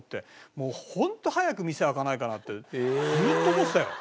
もうホント早く店開かないかなってずーっと思ってたよ。